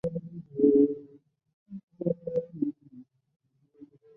蟹状星云东北面的一个超新星残骸和脉冲风星云。